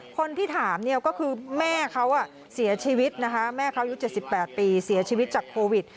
คนที่ถามเนี่ยก็คือแม่เขาอ่ะเสียชีวิตนะคะแม่เขายุดเจ็ดสิบแปดปีเสียชีวิตจากโควิด